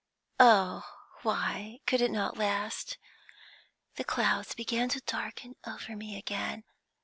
"Oh, why could it not last? The clouds began to darken over me again.